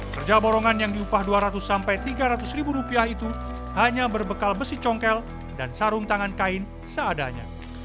kerja borongan yang diupah dua ratus sampai tiga ratus ribu rupiah itu hanya berbekal besi congkel dan sarung tangan kain seadanya